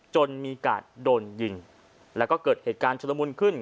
จนมีกาดโดนยิงแล้วก็เกิดเหตุการณ์ชุลมุนขึ้น